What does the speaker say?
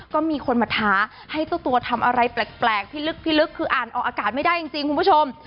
ก็มีคนมาท้าให้เจ้าตัวทำอะไรแปลกพิลึกพิลึกคืออ่านออกอากาศไม่ได้จริงคุณผู้ชม